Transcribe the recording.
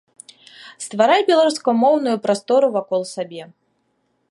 Стварай беларускамоўную прастору вакол сабе.